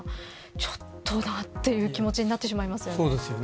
ちょっとなという気持ちになってしまいますよね。